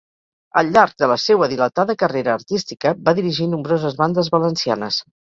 Al llarg de la seua dilatada carrera artística, va dirigir nombroses bandes valencianes.